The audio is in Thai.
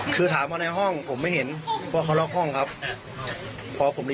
คือถามว่าในห้องผมไม่เห็นเพราะบ้างครับเพราะผมรู้